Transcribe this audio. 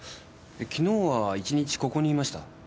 昨日は１日ここにいました。